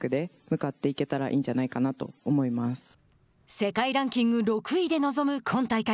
世界ランキング６位で臨む今大会。